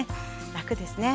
楽ですね。